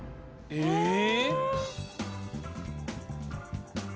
えっ？